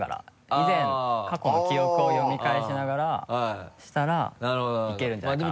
以前過去の記憶を呼び返しながらしたらいけるんじゃないかなと。